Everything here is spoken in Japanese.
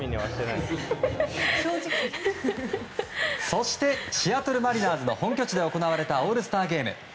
そしてシアトル・マリナーズの本拠地で行われたオールスターゲーム。